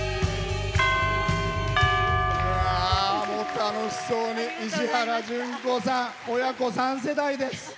楽しそうに石原詢子さん、親子３世代です。